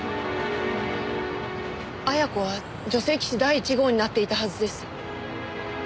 彩子は女性棋士第１号になっていたはずです。